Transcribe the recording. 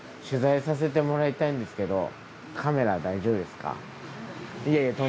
取材させてもらいたいんですけどカメラ大丈夫ですか？